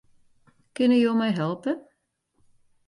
Kinne jo my helpe?